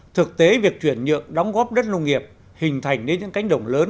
thực tế việc chuyển nhược đóng góp đất nông nghiệp hình thành đến những cánh đồng lớn